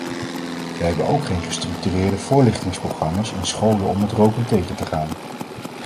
Wij hebben ook geen gestructureerde voorlichtingsprogramma’s in scholen om het roken tegen te gaan.